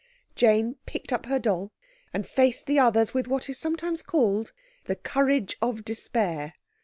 Jane picked up her doll and faced the others with what is sometimes called the courage of despair.